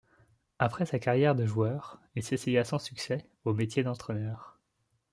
Après sa carrière de joueur il s'essaya sans succès au métier d'entraîneur.